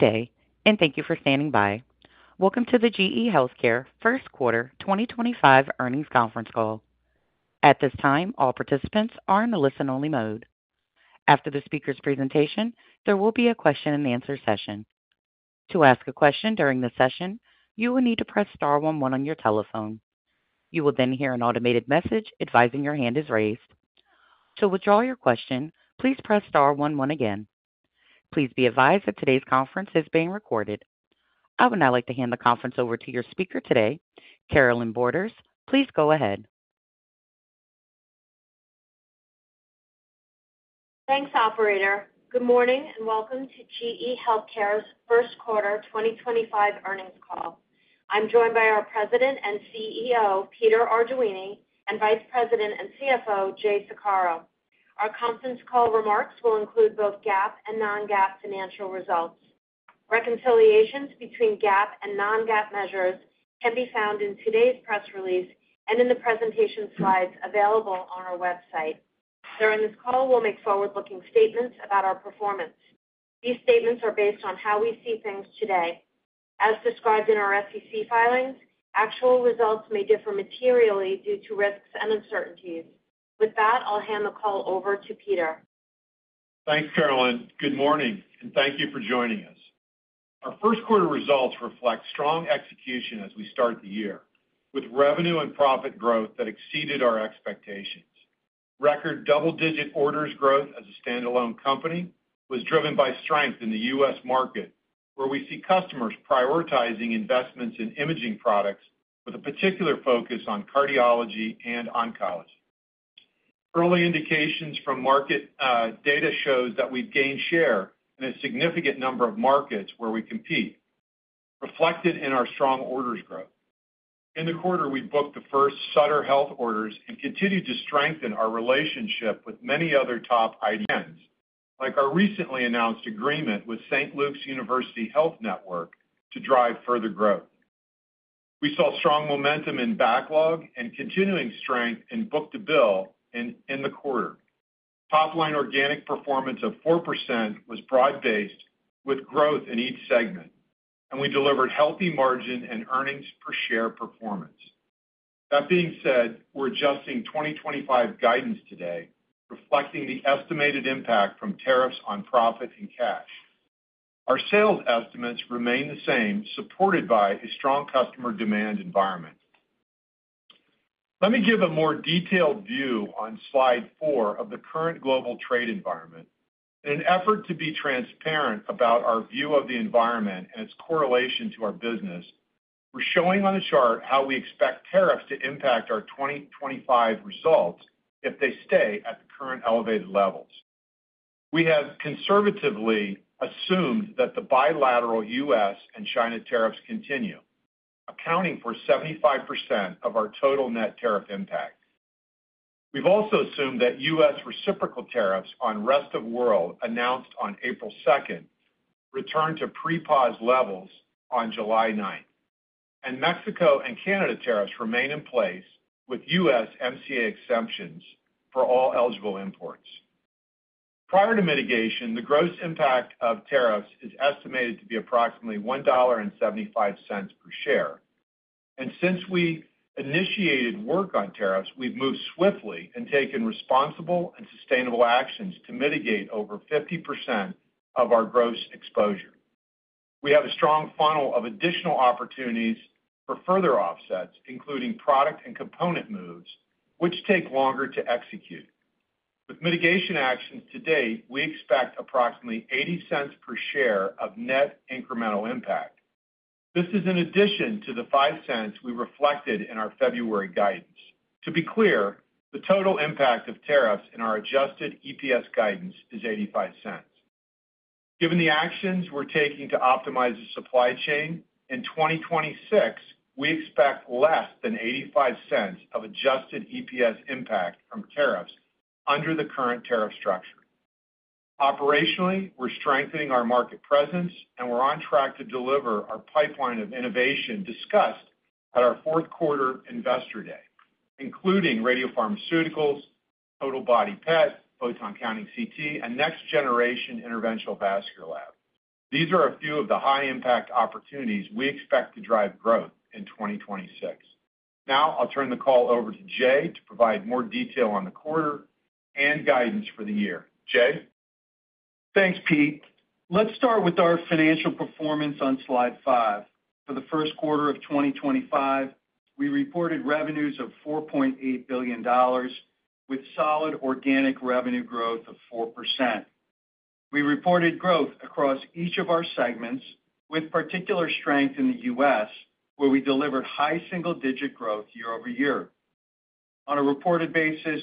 Good day, and thank you for standing by. Welcome to the GE HealthCare First Quarter 2025 Earnings Conference Call. At this time, all participants are in the listen-only mode. After the speaker's presentation, there will be a Q&A session. To ask a question during the session, you will need to press star one one on your telephone. You will then hear an automated message advising your hand is raised. To withdraw your question, please press star one one again. Please be advised that today's conference is being recorded. I would now like to hand the conference over to your speaker today, Carolynne Borders. Please go ahead. Thanks, Operator. Good morning and welcome to GE HealthCare's First Quarter 2025 Earnings Call. I'm joined by our President and CEO, Peter Arduini, and Vice President and CFO, Jay Saccaro. Our conference call remarks will include both GAAP and non-GAAP financial results. Reconciliations between GAAP and non-GAAP measures can be found in today's press release and in the presentation slides available on our website. During this call, we'll make forward-looking statements about our performance. These statements are based on how we see things today. As described in our SEC filings, actual results may differ materially due to risks and uncertainties. With that, I'll hand the call over to Peter. Thanks, Carolynne. Good morning, and thank you for joining us. Our first quarter results reflect strong execution as we start the year, with revenue and profit growth that exceeded our expectations. Record double-digit orders growth as a standalone company was driven by strength in the U.S. market, where we see customers prioritizing investments in Imaging products with a particular focus on cardiology and oncology. Early indications from market data show that we've gained share in a significant number of markets where we compete, reflected in our strong orders growth. In the quarter, we booked the first Sutter Health orders and continued to strengthen our relationship with many other top IDNs, like our recently announced agreement with St. Luke's University Health Network to drive further growth. We saw strong momentum in backlog and continuing strength in book-to-bill in the quarter. Top-line organic performance of 4% was broad-based, with growth in each segment, and we delivered healthy margin and earnings per share performance. That being said, we're adjusting 2025 guidance today, reflecting the estimated impact from tariffs on profit and cash. Our sales estimates remain the same, supported by a strong customer demand environment. Let me give a more detailed view on Slide Four of the current global trade environment. In an effort to be transparent about our view of the environment and its correlation to our business, we're showing on the chart how we expect tariffs to impact our 2025 results if they stay at the current elevated levels. We have conservatively assumed that the bilateral U.S. and China tariffs continue, accounting for 75% of our total net tariff impact. We've also assumed that U.S. reciprocal tariffs on the rest of the world announced on April 2nd return to pre-pause levels on July 9th, and Mexico and Canada tariffs remain in place with USMCA exemptions for all eligible imports. Prior to mitigation, the gross impact of tariffs is estimated to be approximately $1.75 per share. Since we initiated work on tariffs, we've moved swiftly and taken responsible and sustainable actions to mitigate over 50% of our gross exposure. We have a strong funnel of additional opportunities for further offsets, including product and component moves, which take longer to execute. With mitigation actions to date, we expect approximately $0.80 per share of net incremental impact. This is in addition to the $0.05 we reflected in our February guidance. To be clear, the total impact of tariffs in our adjusted EPS guidance is $0.85. Given the actions we're taking to optimize the supply chain in 2026, we expect less than $0.85 of adjusted EPS impact from tariffs under the current tariff structure. Operationally, we're strengthening our market presence, and we're on track to deliver our pipeline of innovation discussed at our fourth quarter Investor Day, including radiopharmaceuticals, total-body PET, photon-counting CT, and next-generation interventional vascular lab. These are a few of the high-impact opportunities we expect to drive growth in 2026. Now, I'll turn the call over to Jay to provide more detail on the quarter and guidance for the year. Jay? Thanks, Pete. Let's start with our financial performance on Slide Five. For the first quarter of 2025, we reported revenues of $4.8 billion, with solid organic revenue growth of 4%. We reported growth across each of our segments, with particular strength in the U.S., where we delivered high single-digit growth year-over-year. On a reported basis,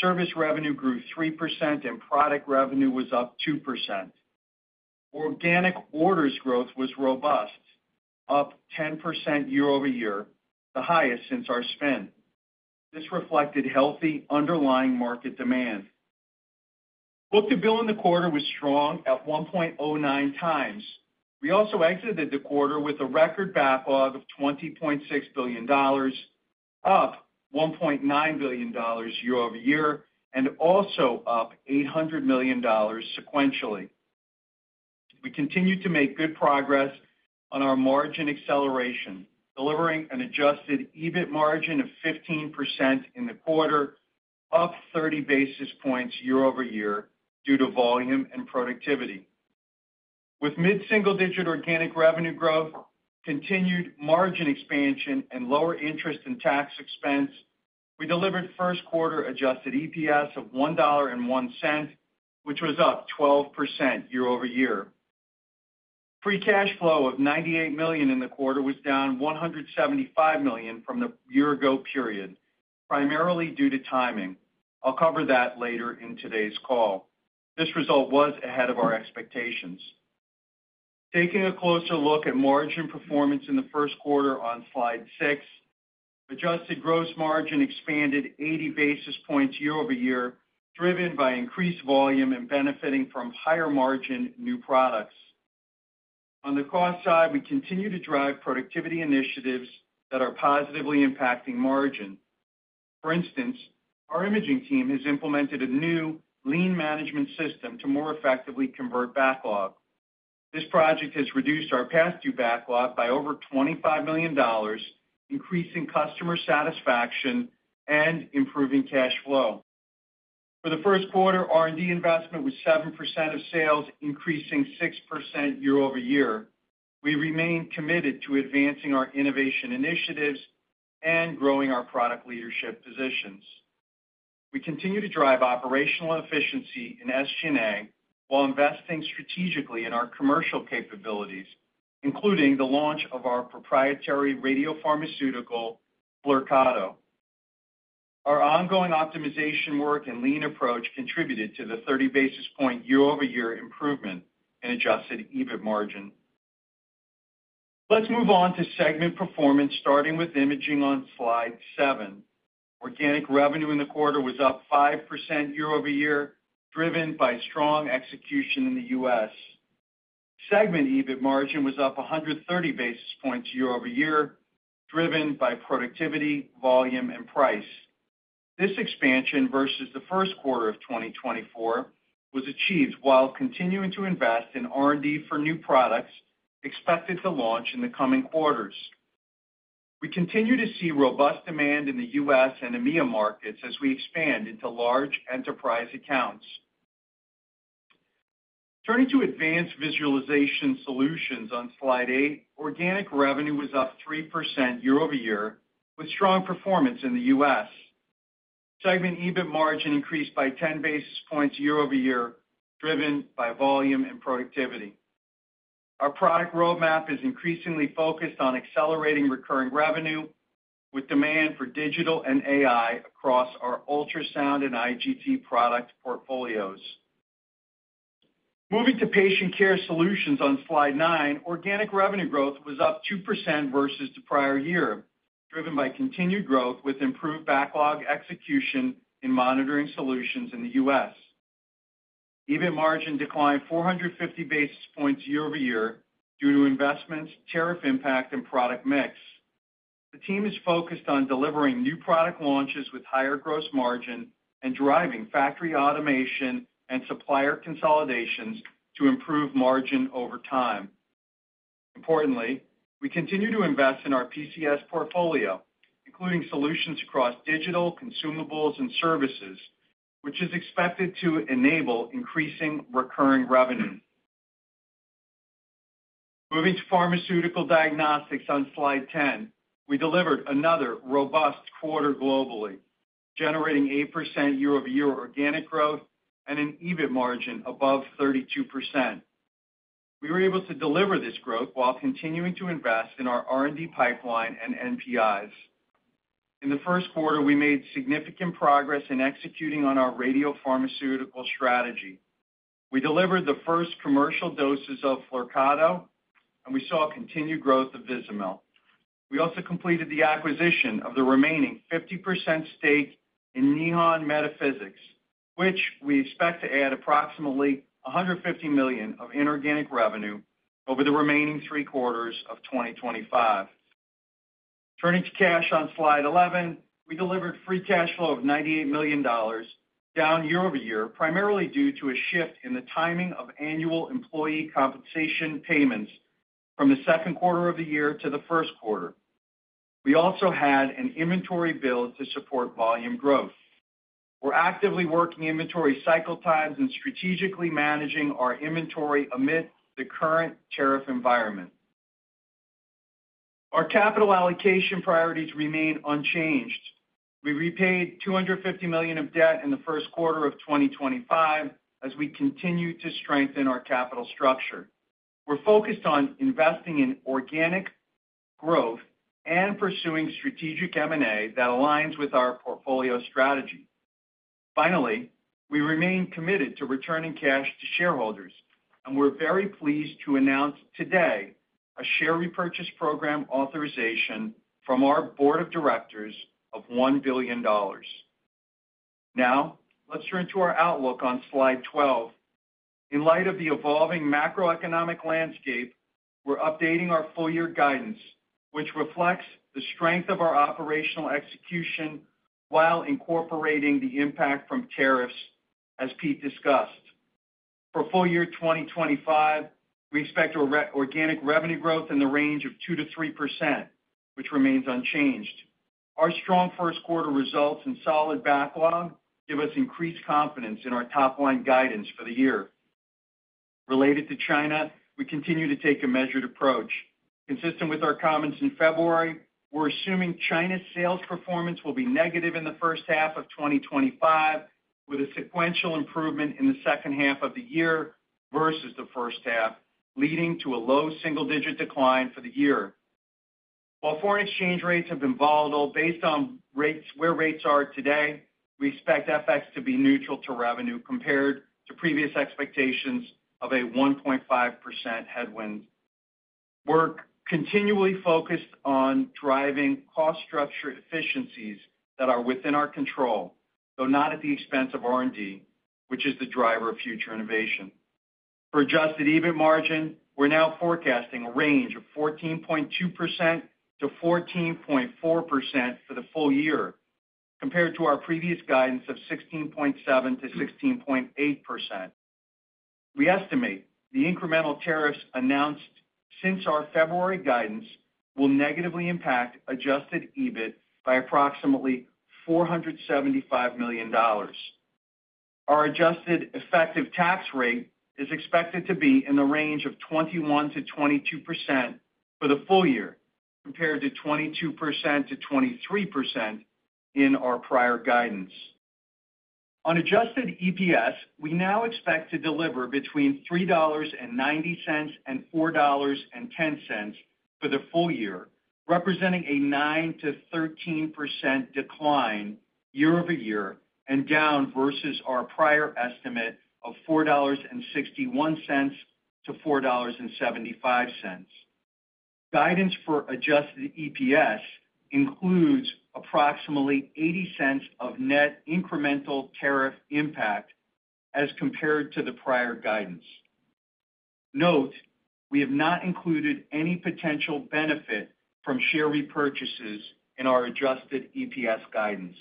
service revenue grew 3%, and product revenue was up 2%. Organic orders growth was robust, up 10% year-over-year, the highest since our spin. This reflected healthy underlying market demand. Book-to-bill in the quarter was strong at 1.09 times. We also exited the quarter with a record backlog of $20.6 billion, up $1.9 billion year-over-year, and also up $800 million sequentially. We continued to make good progress on our margin acceleration, delivering an adjusted EBIT margin of 15% in the quarter, up 30 basis points year-over-year due to volume and productivity. With mid-single-digit organic revenue growth, continued margin expansion, and lower interest and tax expense, we delivered first quarter adjusted EPS of $1.01, which was up 12% year-over-year. Free cash flow of $98 million in the quarter was down $175 million from the year-ago period, primarily due to timing. I'll cover that later in today's call. This result was ahead of our expectations. Taking a closer look at margin performance in the first quarter on Slide Six, adjusted gross margin expanded 80 basis points year-over-year, driven by increased volume and benefiting from higher margin new products. On the cost side, we continue to drive productivity initiatives that are positively impacting margin. For instance, our Imaging team has implemented a new lean management system to more effectively convert backlog. This project has reduced our past due backlog by over $25 million, increasing customer satisfaction and improving cash flow. For the first quarter, R&D investment was 7% of sales, increasing 6% year-over-year. We remain committed to advancing our innovation initiatives and growing our product leadership positions. We continue to drive operational efficiency in SG&A while investing strategically in our commercial capabilities, including the launch of our proprietary radiopharmaceutical, Flyrcado. Our ongoing optimization work and lean approach contributed to the 30 basis point year-over-year improvement in adjusted EBIT margin. Let's move on to segment performance, starting with Imaging on Slide Seven. Organic revenue in the quarter was up 5% year-over-year, driven by strong execution in the U.S. Segment EBIT margin was up 130 basis points year-over-year, driven by productivity, volume, and price. This expansion versus the first quarter of 2024 was achieved while continuing to invest in R&D for new products expected to launch in the coming quarters. We continue to see robust demand in the U.S. and EMEA markets as we expand into large enterprise accounts. Turning to Advanced Visualization Solutions on Slide Eight, organic revenue was up 3% year-over-year, with strong performance in the U.S. Segment EBIT margin increased by 10 basis points year-over-year, driven by volume and productivity. Our product roadmap is increasingly focused on accelerating recurring revenue, with demand for digital and AI across our ultrasound and IGT product portfolios. Moving to Patient Care Solutions on Slide Nine, organic revenue growth was up 2% versus the prior year, driven by continued growth with improved backlog execution in Monitoring Solutions in the U.S. EBIT margin declined 450 basis points year-over-year due to investments, tariff impact, and product mix. The team is focused on delivering new product launches with higher gross margin and driving factory automation and supplier consolidations to improve margin over time. Importantly, we continue to invest in our PCS portfolio, including solutions across digital, consumables, and services, which is expected to enable increasing recurring revenue. Moving to Pharmaceutical Diagnostics on Slide 10, we delivered another robust quarter globally, generating 8% year-over-year organic growth and an EBIT margin above 32%. We were able to deliver this growth while continuing to invest in our R&D pipeline and NPIs. In the first quarter, we made significant progress in executing on our radiopharmaceutical strategy. We delivered the first commercial doses of Flyrcado, and we saw continued growth of Vizamyl. We also completed the acquisition of the remaining 50% stake in Nihon Medi-Physics, which we expect to add approximately $150 million of inorganic revenue over the remaining three quarters of 2025. Turning to cash on Slide 11, we delivered free cash flow of $98 million, down year-over-year, primarily due to a shift in the timing of annual employee compensation payments from the second quarter of the year to the first quarter. We also had an inventory build to support volume growth. We're actively working inventory cycle times and strategically managing our inventory amid the current tariff environment. Our capital allocation priorities remain unchanged. We repaid $250 million of debt in the first quarter of 2025 as we continue to strengthen our capital structure. We're focused on investing in organic growth and pursuing strategic M&A that aligns with our portfolio strategy. Finally, we remain committed to returning cash to shareholders, and we're very pleased to announce today a share repurchase program authorization from our board of directors of $1 billion. Now, let's turn to our Outlook on Slide 12. In light of the evolving macroeconomic landscape, we're updating our full-year guidance, which reflects the strength of our operational execution while incorporating the impact from tariffs, as Pete discussed. For full year 2025, we expect organic revenue growth in the range of 2%-3%, which remains unchanged. Our strong first quarter results and solid backlog give us increased confidence in our top-line guidance for the year. Related to China, we continue to take a measured approach. Consistent with our comments in February, we're assuming China's sales performance will be negative in the first half of 2025, with a sequential improvement in the second half of the year versus the first half, leading to a low single-digit decline for the year. While foreign exchange rates have been volatile, based on where rates are today, we expect FX to be neutral to revenue compared to previous expectations of a 1.5% headwind. We're continually focused on driving cost structure efficiencies that are within our control, though not at the expense of R&D, which is the driver of future innovation. For adjusted EBIT margin, we're now forecasting a range of 14.2%-14.4% for the full year, compared to our previous guidance of 16.7%-16.8%. We estimate the incremental tariffs announced since our February guidance will negatively impact adjusted EBIT by approximately $475 million. Our adjusted effective tax rate is expected to be in the range of 21%-22% for the full year, compared to 22%-23% in our prior guidance. On adjusted EPS, we now expect to deliver between $3.90 and $4.10 for the full year, representing a 9%-13% decline year-over-year, and down versus our prior estimate of $4.61-$4.75. Guidance for adjusted EPS includes approximately $0.80 of net incremental tariff impact as compared to the prior guidance. Note we have not included any potential benefit from share repurchases in our adjusted EPS guidance.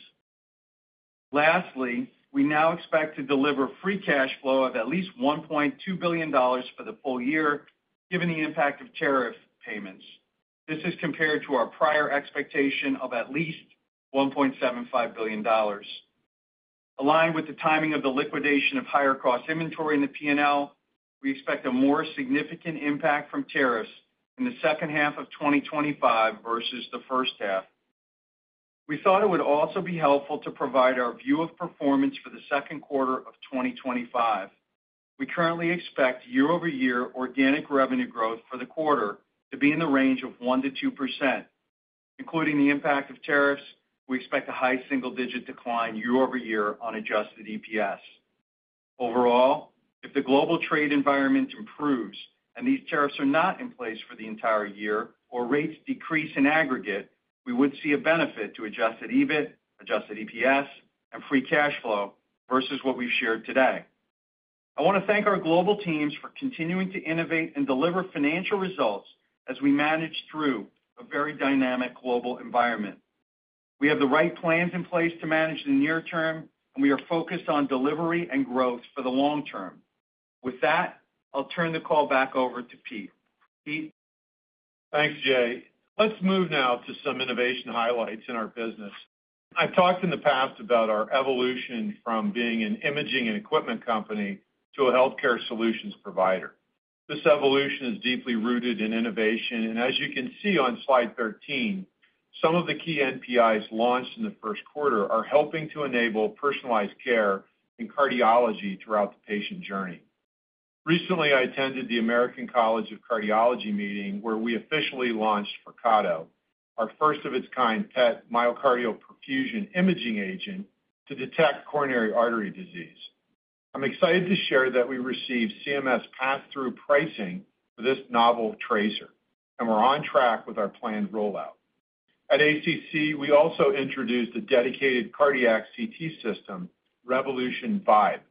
Lastly, we now expect to deliver free cash flow of at least $1.2 billion for the full year, given the impact of tariff payments. This is compared to our prior expectation of at least $1.75 billion. Aligned with the timing of the liquidation of higher-cost inventory in the P&L, we expect a more significant impact from tariffs in the second half of 2025 versus the first half. We thought it would also be helpful to provide our view of performance for the second quarter of 2025. We currently expect year-over-year organic revenue growth for the quarter to be in the range of 1%-2%. Including the impact of tariffs, we expect a high single-digit decline year-over-year on adjusted EPS. Overall, if the global trade environment improves and these tariffs are not in place for the entire year or rates decrease in aggregate, we would see a benefit to adjusted EBIT, adjusted EPS, and free cash flow versus what we've shared today. I want to thank our global teams for continuing to innovate and deliver financial results as we manage through a very dynamic global environment. We have the right plans in place to manage the near term, and we are focused on delivery and growth for the long term. With that, I'll turn the call back over to Pete. Pete. Thanks, Jay. Let's move now to some innovation highlights in our business. I've talked in the past about our evolution from being an imaging and equipment company to a healthcare solutions provider. This evolution is deeply rooted in innovation, and as you can see on Slide 13, some of the key NPIs launched in the first quarter are helping to enable personalized care in cardiology throughout the patient journey. Recently, I attended the American College of Cardiology meeting where we officially launched Flyrcado, our first-of-its-kind PET myocardial perfusion imaging agent to detect coronary artery disease. I'm excited to share that we received CMS pass-through pricing for this novel tracer, and we're on track with our planned rollout. At ACC, we also introduced a dedicated cardiac CT system, Revolution Vibe,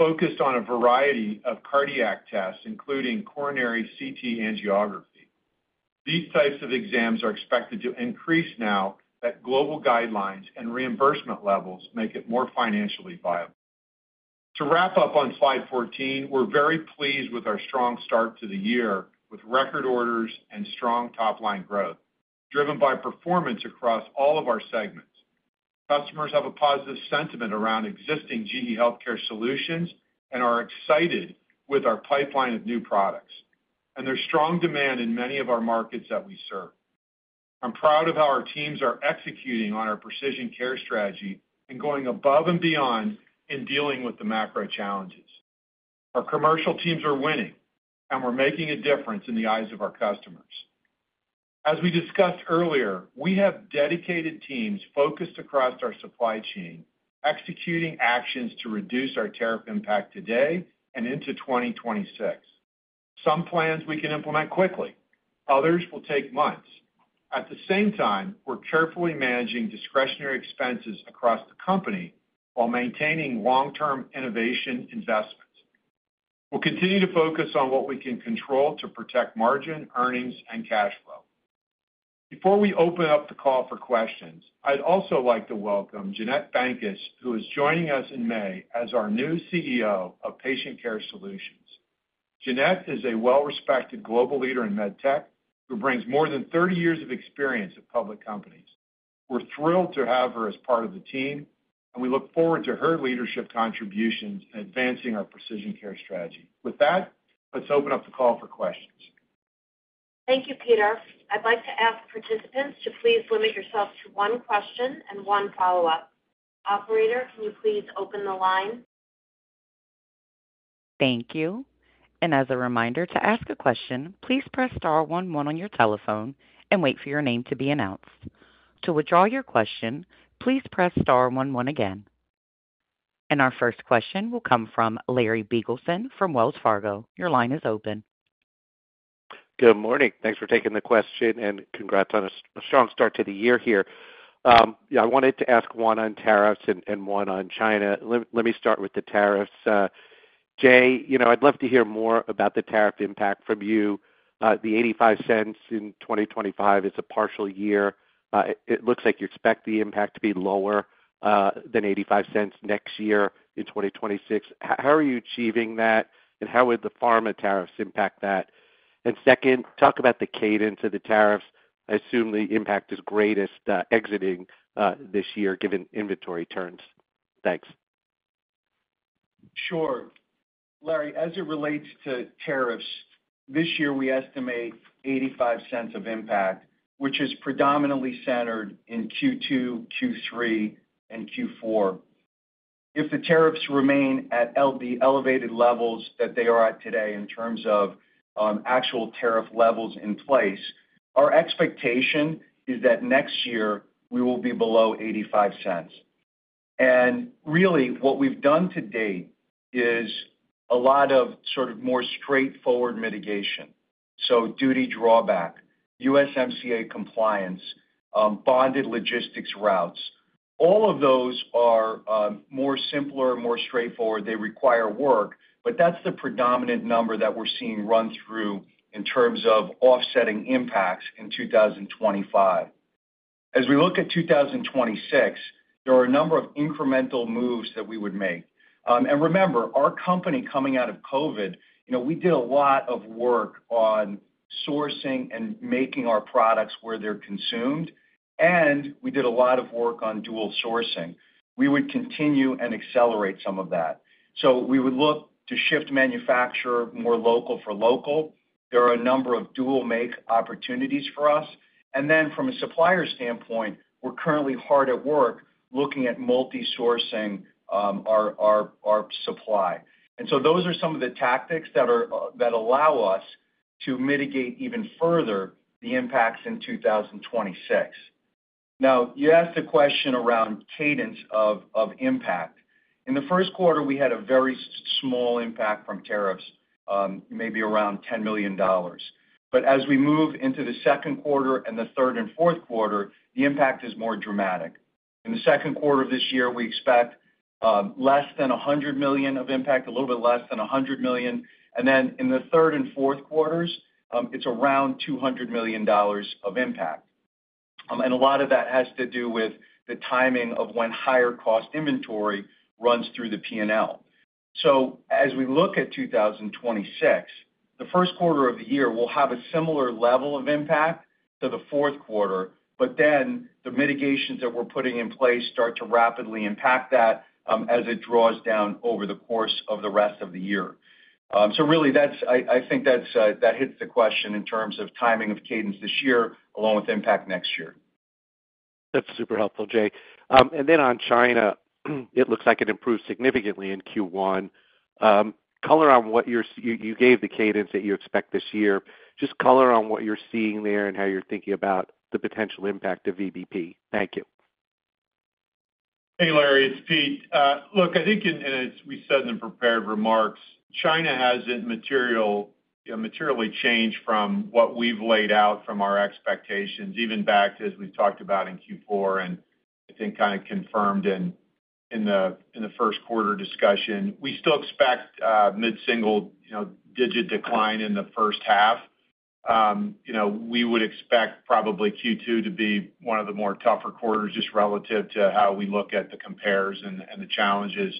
focused on a variety of cardiac tests, including coronary CT angiography. These types of exams are expected to increase now that global guidelines and reimbursement levels make it more financially viable. To wrap up on Slide 14, we're very pleased with our strong start to the year with record orders and strong top-line growth, driven by performance across all of our segments. Customers have a positive sentiment around existing GE HealthCare solutions and are excited with our pipeline of new products, and there's strong demand in many of our markets that we serve. I'm proud of how our teams are executing on our precision care strategy and going above and beyond in dealing with the macro challenges. Our commercial teams are winning, and we're making a difference in the eyes of our customers. As we discussed earlier, we have dedicated teams focused across our supply chain, executing actions to reduce our tariff impact today and into 2026. Some plans we can implement quickly, others will take months. At the same time, we're carefully managing discretionary expenses across the company while maintaining long-term innovation investments. We'll continue to focus on what we can control to protect margin, earnings, and cash flow. Before we open up the call for questions, I'd also like to welcome Jeannette Bankes, who is joining us in May as our new CEO of Patient Care Solutions. Jeannette is a well-respected global leader in med tech who brings more than 30 years of experience at public companies. We're thrilled to have her as part of the team, and we look forward to her leadership contributions in advancing our precision care strategy. With that, let's open up the call for questions. Thank you, Peter. I'd like to ask participants to please limit yourself to one question and one follow-up. Operator, can you please open the line? Thank you. As a reminder to ask a question, please press star one one on your telephone and wait for your name to be announced. To withdraw your question, please press star one one again. Our first question will come from Larry Biegelsen from Wells Fargo. Your line is open. Good morning. Thanks for taking the question and congrats on a strong start to the year here. I wanted to ask one on tariffs and one on China. Let me start with the tariffs. Jay, I'd love to hear more about the tariff impact from you. The $0.85 in 2025 is a partial year. It looks like you expect the impact to be lower than $0.85 next year in 2026. How are you achieving that, and how would the pharma tariffs impact that? Second, talk about the cadence of the tariffs. I assume the impact is greatest exiting this year given inventory turns. Thanks. Sure. Larry, as it relates to tariffs, this year we estimate $0.85 of impact, which is predominantly centered in Q2, Q3, and Q4. If the tariffs remain at the elevated levels that they are at today in terms of actual tariff levels in place, our expectation is that next year we will be below $0.85. What we've done to date is a lot of sort of more straightforward mitigation. Duty drawback, USMCA compliance, bonded logistics routes, all of those are more straightforward. They require work, but that's the predominant number that we're seeing run through in terms of offsetting impacts in 2025. As we look at 2026, there are a number of incremental moves that we would make. Remember, our company coming out of COVID, we did a lot of work on sourcing and making our products where they're consumed, and we did a lot of work on dual sourcing. We would continue and accelerate some of that. We would look to shift manufacturer more local for local. There are a number of dual-make opportunities for us. From a supplier standpoint, we're currently hard at work looking at multi-sourcing our supply. Those are some of the tactics that allow us to mitigate even further the impacts in 2026. You asked the question around cadence of impact. In the first quarter, we had a very small impact from tariffs, maybe around $10 million. As we move into the second quarter and the third and fourth quarter, the impact is more dramatic. In the second quarter of this year, we expect less than $100 million of impact, a little bit less than $100 million. In the third and fourth quarters, it's around $200 million of impact. A lot of that has to do with the timing of when higher-cost inventory runs through the P&L. As we look at 2026, the first quarter of the year will have a similar level of impact to the fourth quarter, but then the mitigations that we're putting in place start to rapidly impact that as it draws down over the course of the rest of the year. I think that hits the question in terms of timing of cadence this year, along with impact next year. That's super helpful, Jay. On China, it looks like it improved significantly in Q1. Color on what you gave the cadence that you expect this year. Just color on what you're seeing there and how you're thinking about the potential impact of VBP. Thank you. Hey, Larry, it's Pete. Look, I think, and as we said in the prepared remarks, China hasn't materially changed from what we've laid out from our expectations, even back to, as we've talked about in Q4, and I think kind of confirmed in the first quarter discussion. We still expect mid-single-digit decline in the first half. We would expect probably Q2 to be one of the more tougher quarters just relative to how we look at the compares and the challenges,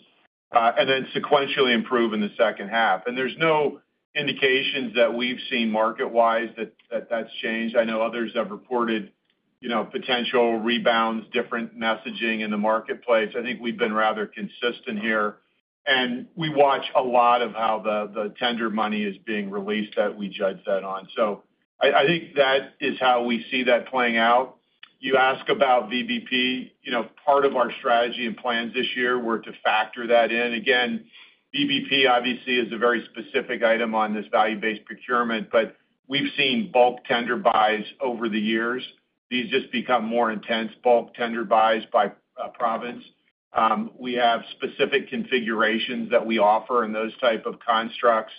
and then sequentially improve in the second half. There is no indications that we've seen market-wise that that's changed. I know others have reported potential rebounds, different messaging in the marketplace. I think we've been rather consistent here. We watch a lot of how the tender money is being released that we judge that on. I think that is how we see that playing out. You ask about VBP, part of our strategy and plans this year were to factor that in. Again, VBP obviously is a very specific item on this value-based procurement, but we've seen bulk tender buys over the years. These just become more intense bulk tender buys by province. We have specific configurations that we offer in those types of constructs.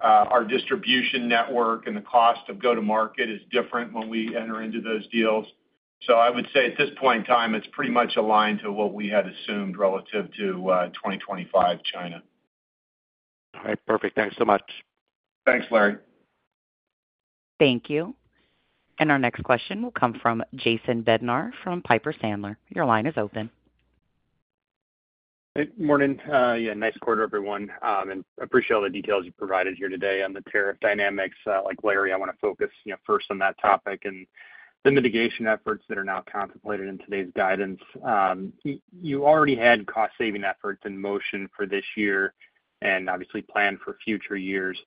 Our distribution network and the cost of go-to-market is different when we enter into those deals. I would say at this point in time, it's pretty much aligned to what we had assumed relative to 2025 China. All right. Perfect. Thanks so much. Thanks, Larry. Thank you. Our next question will come from Jason Bednar from Piper Sandler. Your line is open. Good morning. Yeah, nice quarter, everyone. I appreciate all the details you provided here today on the tariff dynamics. Like Larry, I want to focus first on that topic and the mitigation efforts that are now contemplated in today's guidance. You already had cost-saving efforts in motion for this year and obviously planned for future years.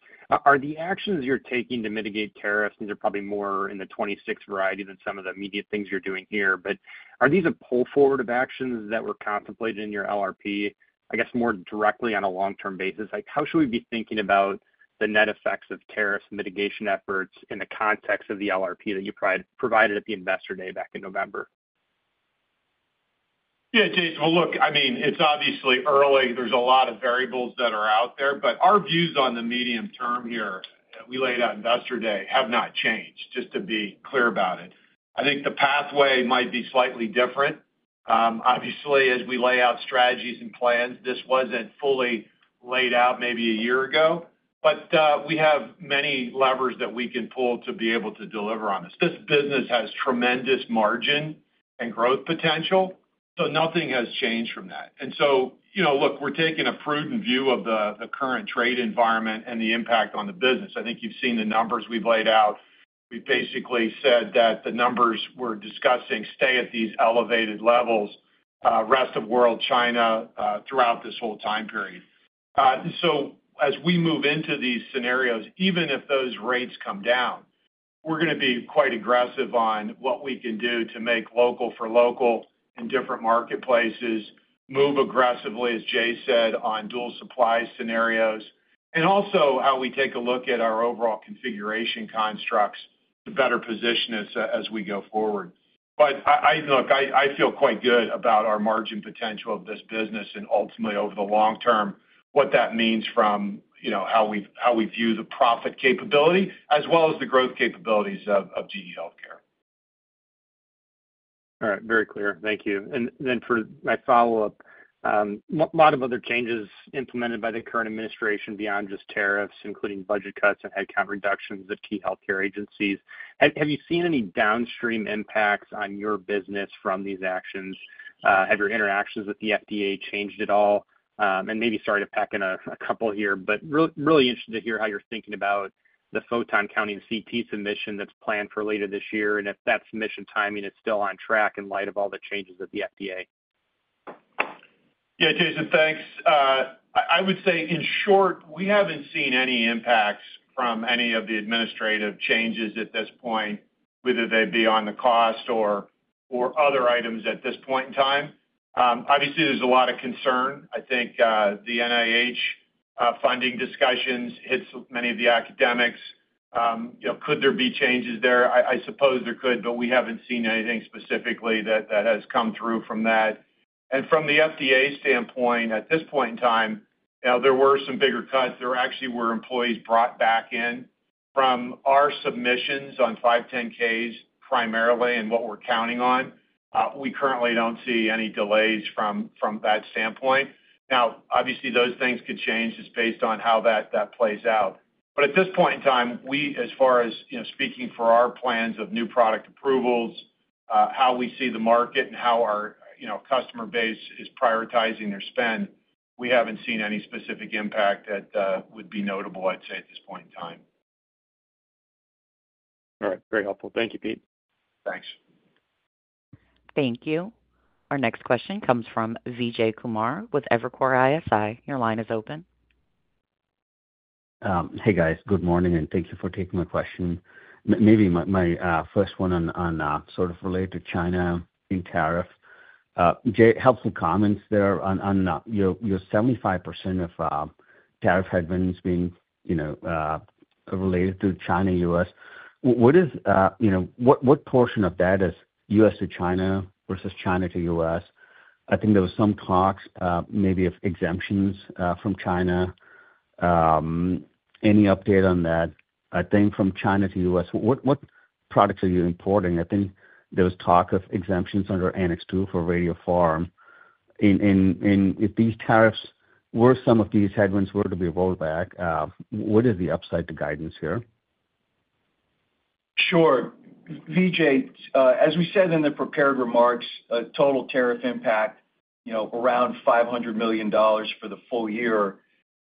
Are the actions you're taking to mitigate tariffs, these are probably more in the 2026 variety than some of the immediate things you're doing here, but are these a pull forward of actions that were contemplated in your LRP, I guess more directly on a long-term basis? How should we be thinking about the net effects of tariffs and mitigation efforts in the context of the LRP that you provided at the Investor Day back in November? Yeah, Jay. Look, I mean, it's obviously early. are a lot of variables that are out there, but our views on the medium term here we laid out at Investor Day have not changed, just to be clear about it. I think the pathway might be slightly different. Obviously, as we lay out strategies and plans, this was not fully laid out maybe a year ago, but we have many levers that we can pull to be able to deliver on this. This business has tremendous margin and growth potential, but nothing has changed from that. We are taking a prudent view of the current trade environment and the impact on the business. I think you have seen the numbers we laid out. We have basically said that the numbers we are discussing stay at these elevated levels rest of world China throughout this whole time period. As we move into these scenarios, even if those rates come down, we're going to be quite aggressive on what we can do to make local for local in different marketplaces, move aggressively, as Jay said, on dual supply scenarios, and also how we take a look at our overall configuration constructs to better position us as we go forward. Look, I feel quite good about our margin potential of this business and ultimately over the long term, what that means from how we view the profit capability as well as the growth capabilities of GE HealthCare. All right. Very clear. Thank you. For my follow-up, a lot of other changes implemented by the current administration beyond just tariffs, including budget cuts and headcount reductions at key healthcare agencies. Have you seen any downstream impacts on your business from these actions? Have your interactions with the FDA changed at all? Maybe, sorry to pack in a couple here, but really interested to hear how you're thinking about the Photon-counting CT submission that's planned for later this year and if that submission timing is still on track in light of all the changes at the FDA. Yeah, Jason, thanks. I would say in short, we haven't seen any impacts from any of the administrative changes at this point, whether they be on the cost or other items at this point in time. Obviously, there's a lot of concern. I think the NIH funding discussions hit many of the academics. Could there be changes there? I suppose there could, but we haven't seen anything specifically that has come through from that. From the FDA standpoint, at this point in time, there were some bigger cuts that actually were employees brought back in from our submissions on 510(k)s primarily and what we're counting on. We currently do not see any delays from that standpoint. Obviously, those things could change just based on how that plays out. At this point in time, as far as speaking for our plans of new product approvals, how we see the market and how our customer base is prioritizing their spend, we have not seen any specific impact that would be notable, I would say, at this point in time. All right. Very helpful. Thank you, Pete. Thanks. Thank you. Our next question comes from Vijay Kumar with Evercore ISI. Your line is open. Hey, guys. Good morning, and thank you for taking my question. Maybe my first one on sort of related to China and tariff. Jay, helpful comments there on your 75% of tariff headwinds being related to China and U.S. What portion of that is U.S. to China versus China to U.S.? I think there were some talks maybe of exemptions from China. Any update on that? I think from China to U.S., what products are you importing? I think there was talk of exemptions under Annex 2 for radio pharma. If these tariffs or some of these headwinds were to be rolled back, what is the upside to guidance here? Sure. Vijay, as we said in the prepared remarks, total tariff impact around $500 million for the full year.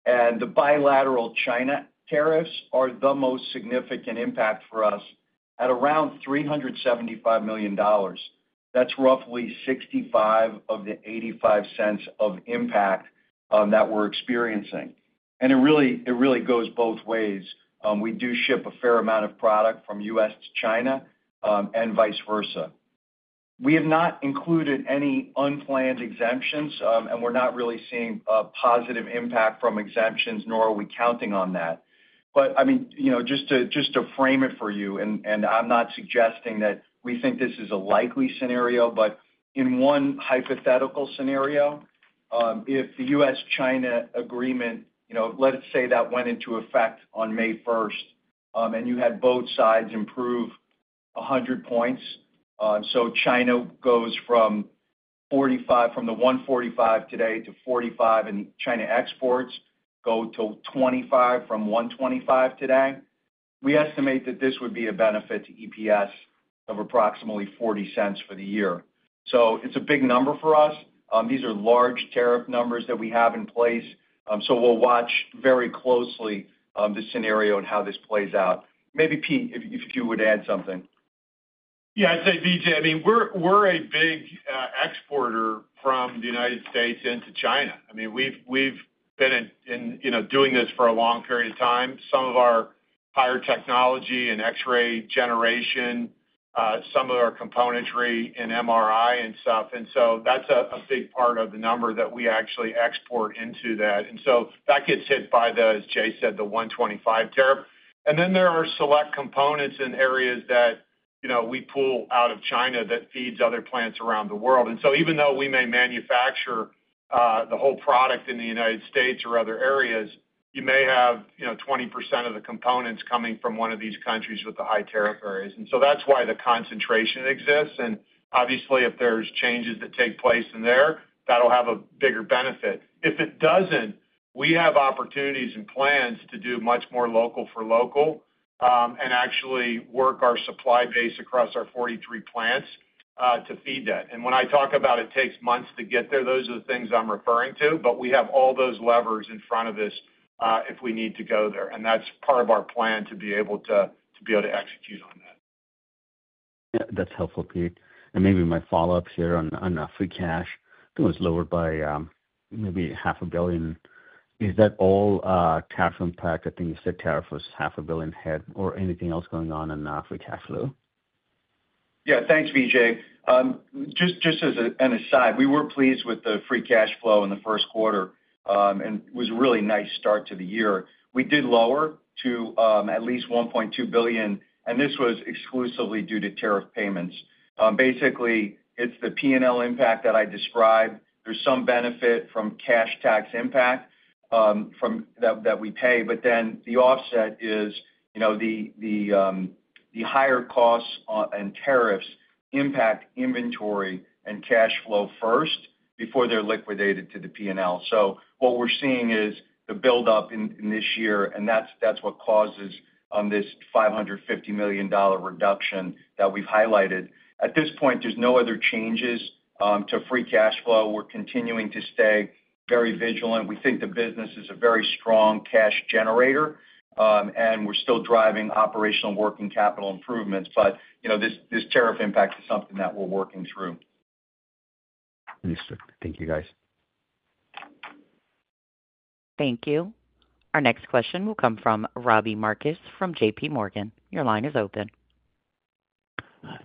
The bilateral China tariffs are the most significant impact for us at around $375 million. That's roughly 65% of the $0.85 of impact that we're experiencing. It really goes both ways. We do ship a fair amount of product from U.S. to China and vice versa. We have not included any unplanned exemptions, and we're not really seeing a positive impact from exemptions, nor are we counting on that. I mean, just to frame it for you, and I'm not suggesting that we think this is a likely scenario, but in one hypothetical scenario, if the U.S.-China agreement, let's say that went into effect on May 1st, and you had both sides improve 100 points, so China goes from 145 today to 45, and China exports go to 25 from 125 today, we estimate that this would be a benefit to EPS of approximately $0.40 for the year. It is a big number for us. These are large tariff numbers that we have in place. We will watch very closely the scenario and how this plays out. Maybe Pete, if you would add something. Yeah, I'd say, Vijay, I mean, we're a big exporter from the United States into China. I mean, we've been doing this for a long period of time. Some of our higher technology and X-ray generation, some of our componentry and MRI and stuff. That is a big part of the number that we actually export into that. That gets hit by, as Jay said, the 125% tariff. There are select components in areas that we pull out of China that feed other plants around the world. Even though we may manufacture the whole product in the United States or other areas, you may have 20% of the components coming from one of these countries with the high tariff areas. That is why the concentration exists. Obviously, if there's changes that take place in there, that'll have a bigger benefit. If it doesn't, we have opportunities and plans to do much more local for local and actually work our supply base across our 43 plants to feed that. When I talk about it takes months to get there, those are the things I'm referring to, but we have all those levers in front of us if we need to go there. That's part of our plan to be able to execute on that. That's helpful, Pete. Maybe my follow-up here on free cash, it was lowered by maybe $500,000,000. Is that all tax impact? I think you said tariff was $500,000,000 ahead. Anything else going on in free cash flow? Yeah. Thanks, Vijay. Just as an aside, we were pleased with the free cash flow in the first quarter, and it was a really nice start to the year. We did lower to at least $1.2 billion, and this was exclusively due to tariff payments. Basically, it's the P&L impact that I described. There's some benefit from cash tax impact that we pay, but then the offset is the higher costs and tariffs impact inventory and cash flow first before they're liquidated to the P&L. What we're seeing is the buildup in this year, and that's what causes this $550 million reduction that we've highlighted. At this point, there's no other changes to free cash flow. We're continuing to stay very vigilant. We think the business is a very strong cash generator, and we're still driving operational working capital improvements, but this tariff impact is something that we're working through. Understood. Thank you, guys. Thank you. Our next question will come from Robbie Marcus from JP Morgan. Your line is open.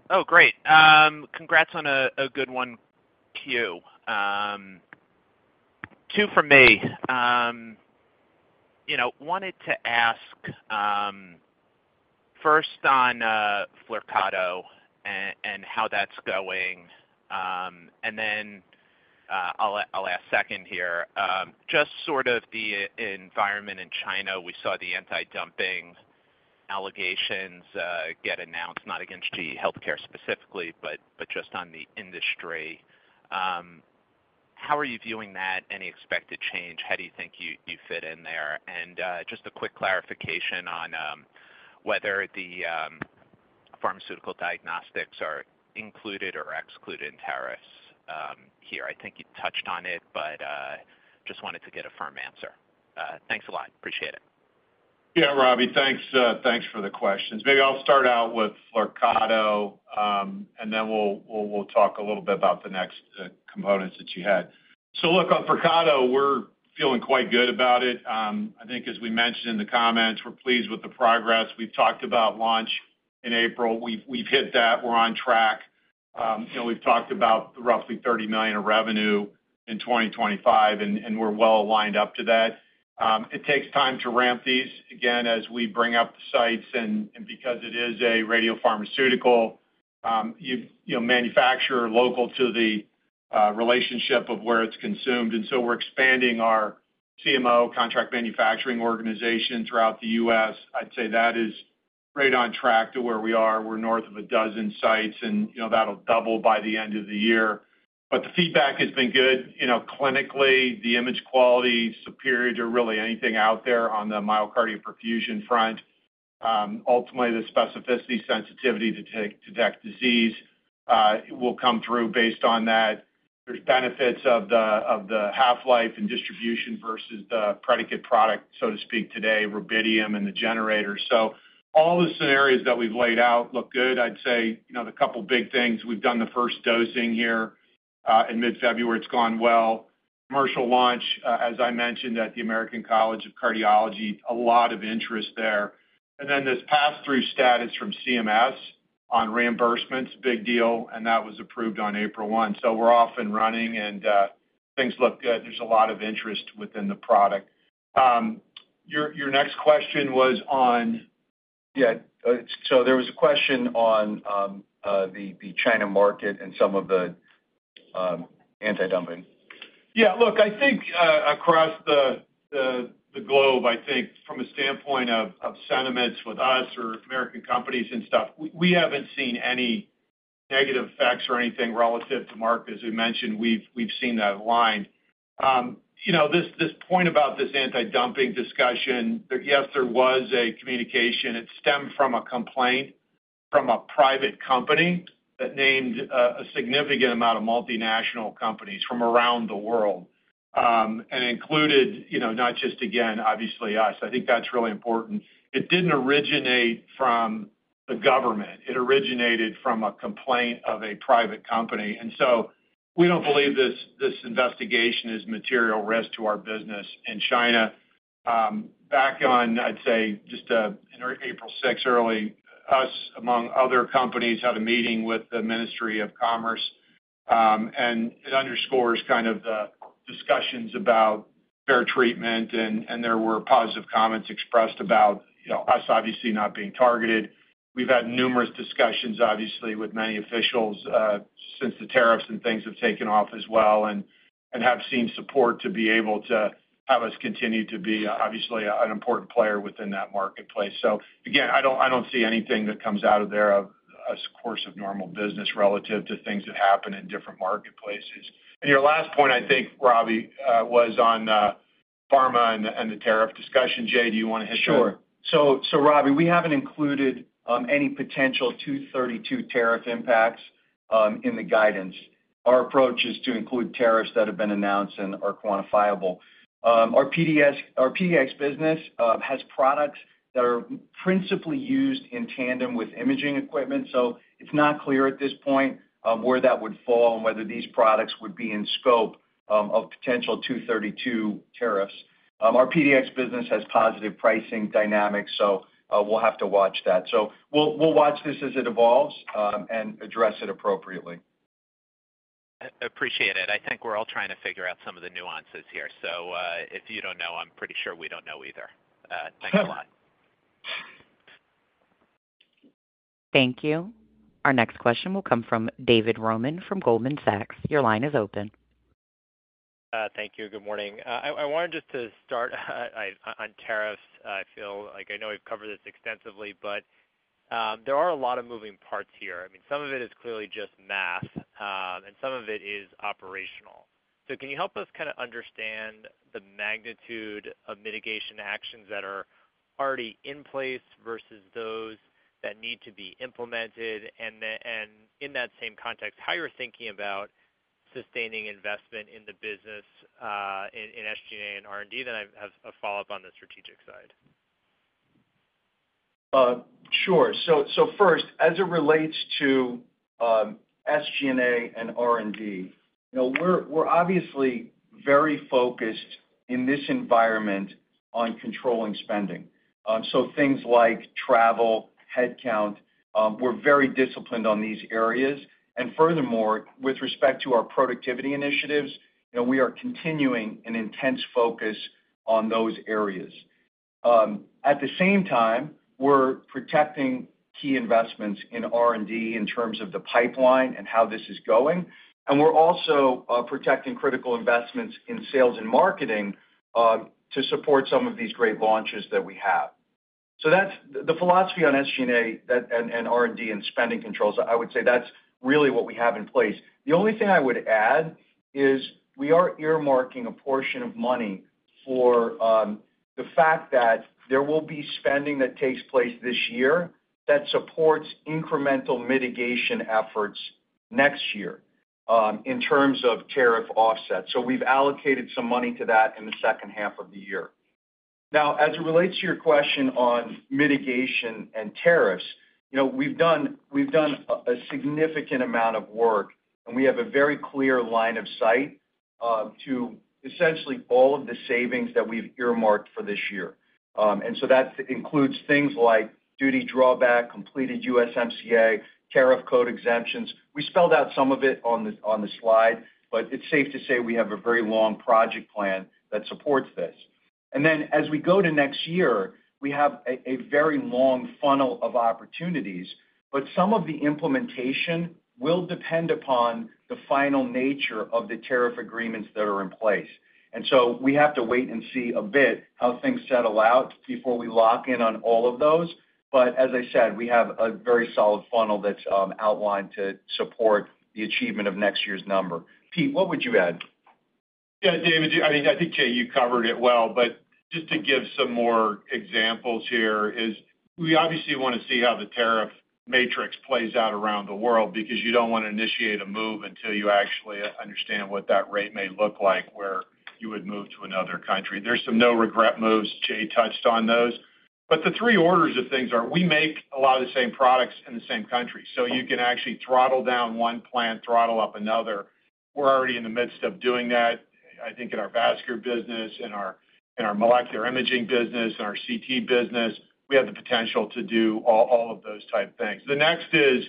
Oh, great. Congrats on a good one too. Two from me. Wanted to ask first on Flyrcado and how that's going. And then I'll ask second here. Just sort of the environment in China, we saw the anti-dumping allegations get announced, not against GE HealthCare specifically, but just on the industry. How are you viewing that? Any expected change? How do you think you fit in there? And just a quick clarification on whether the Pharmaceutical Diagnostics are included or excluded in tariffs here. I think you touched on it, but just wanted to get a firm answer. Thanks a lot. Appreciate it. Yeah, Robbie, thanks for the questions. Maybe I'll start out with Flyrcado, and then we'll talk a little bit about the next components that you had. Look, on Flyrcado, we're feeling quite good about it. I think, as we mentioned in the comments, we're pleased with the progress. We've talked about launch in April. We've hit that. We're on track. We've talked about roughly $30 million of revenue in 2025, and we're well aligned up to that. It takes time to ramp these again as we bring up the sites. Because it is a radiopharmaceutical manufacturer local to the relationship of where it's consumed, we're expanding our CMO, Contract Manufacturing Organization throughout the U.S. I'd say that is right on track to where we are. We're north of a dozen sites, and that'll double by the end of the year. The feedback has been good. Clinically, the image quality is superior to really anything out there on the myocardial perfusion front. Ultimately, the specificity sensitivity to detect disease will come through based on that. There are benefits of the half-life and distribution versus the predicate product, so to speak, today, rubidium and the generator. All the scenarios that we've laid out look good. I'd say the couple of big things, we've done the first dosing here in mid-February. It's gone well. Commercial launch, as I mentioned, at the American College of Cardiology, a lot of interest there. This pass-through status from CMS on reimbursements, big deal, and that was approved on April 1. We're off and running, and things look good. There's a lot of interest within the product. Your next question was on, Yeah, so there was a question on the China market and some of the anti-dumping. Yeah. Look, I think across the globe, I think from a standpoint of sentiments with us or American companies and stuff, we haven't seen any negative effects or anything relative to market. As we mentioned, we've seen that aligned. This point about this anti-dumping discussion, yes, there was a communication. It stemmed from a complaint from a private company that named a significant amount of multinational companies from around the world and included not just, again, obviously, us. I think that's really important. It didn't originate from the government. It originated from a complaint of a private company. We don't believe this investigation is material risk to our business in China. Back on, I'd say, just April 6th early, us, among other companies, had a meeting with the Ministry of Commerce. It underscores kind of the discussions about fair treatment, and there were positive comments expressed about us obviously not being targeted. We've had numerous discussions, obviously, with many officials since the tariffs and things have taken off as well and have seen support to be able to have us continue to be obviously an important player within that marketplace. Again, I don't see anything that comes out of there of a course of normal business relative to things that happen in different marketplaces. Your last point, I think, Robbie, was on pharma and the tariff discussion. Jay, do you want to hit there? Sure. Robbie, we haven't included any potential 232 tariff impacts in the guidance. Our approach is to include tariffs that have been announced and are quantifiable. Our PDx business has products that are principally used in tandem with imaging equipment. It is not clear at this point where that would fall and whether these products would be in scope of potential 232 tariffs. Our PDx business has positive pricing dynamics, so we will have to watch that. We will watch this as it evolves and address it appropriately. Appreciate it. I think we are all trying to figure out some of the nuances here. If you do not know, I am pretty sure we do not know either. Thanks a lot. Thank you. Our next question will come from David Roman from Goldman Sachs. Your line is open. Thank you. Good morning. I wanted just to start on tariffs. I feel like I know we have covered this extensively, but there are a lot of moving parts here. I mean, some of it is clearly just math, and some of it is operational. Can you help us kind of understand the magnitude of mitigation actions that are already in place versus those that need to be implemented? In that same context, how you're thinking about sustaining investment in the business in SG&A and R&D, then I have a follow-up on the strategic side. Sure. First, as it relates to SG&A and R&D, we're obviously very focused in this environment on controlling spending. Things like travel, headcount, we're very disciplined on these areas. Furthermore, with respect to our productivity initiatives, we are continuing an intense focus on those areas. At the same time, we're protecting key investments in R&D in terms of the pipeline and how this is going. We're also protecting critical investments in sales and marketing to support some of these great launches that we have. The philosophy on SG&A and R&D and spending controls, I would say that's really what we have in place. The only thing I would add is we are earmarking a portion of money for the fact that there will be spending that takes place this year that supports incremental mitigation efforts next year in terms of tariff offset. We have allocated some money to that in the second half of the year. Now, as it relates to your question on mitigation and tariffs, we have done a significant amount of work, and we have a very clear line of sight to essentially all of the savings that we have earmarked for this year. That includes things like duty drawback, completed USMCA, tariff code exemptions. We spelled out some of it on the Slide, but it is safe to say we have a very long project plan that supports this. As we go to next year, we have a very long funnel of opportunities, but some of the implementation will depend upon the final nature of the tariff agreements that are in place. We have to wait and see a bit how things settle out before we lock in on all of those. As I said, we have a very solid funnel that's outlined to support the achievement of next year's number. Pete, what would you add? Yeah, David, I think, Jay, you covered it well, just to give some more examples here, we obviously want to see how the tariff matrix plays out around the world because you do not want to initiate a move until you actually understand what that rate may look like where you would move to another country. There are some no-regret moves. Jay touched on those. The three orders of things are we make a lot of the same products in the same country. You can actually throttle down one plant, throttle up another. We are already in the midst of doing that, I think, in our vascular business, in our Molecular Imaging business, in our CT business. We have the potential to do all of those type things. The next is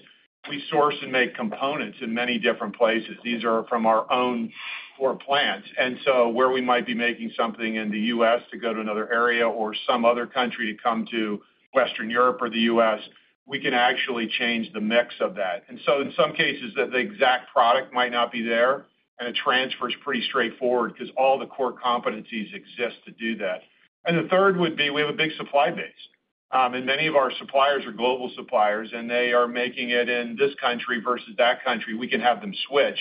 we source and make components in many different places. These are from our own four plants. Where we might be making something in the U.S. to go to another area or some other country to come to Western Europe or the U.S., we can actually change the mix of that. In some cases, the exact product might not be there, and it transfers pretty straightforward because all the core competencies exist to do that. The third would be we have a big supply base. Many of our suppliers are global suppliers, and they are making it in this country versus that country. We can have them switch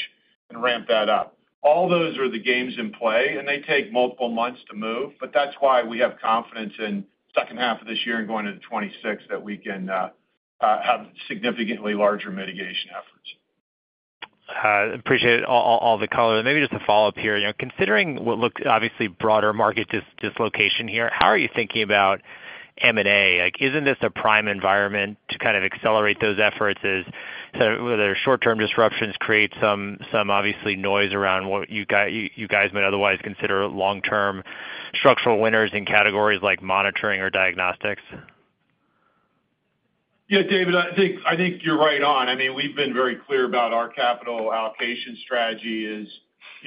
and ramp that up. All those are the games in play, and they take multiple months to move, but that is why we have confidence in the second half of this year and going into 2026 that we can have significantly larger mitigation efforts. Appreciate all the color. Maybe just a follow-up here. Considering what looks obviously broader market dislocation here, how are you thinking about M&A? Is not this a prime environment to kind of accelerate those efforts as short-term disruptions create some obviously noise around what you guys might otherwise consider long-term structural winners in categories like monitoring or diagnostics? Yeah, David, I think you are right on. I mean, we've been very clear about our capital allocation strategy is